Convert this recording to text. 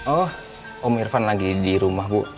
oh om irfan lagi di rumah bu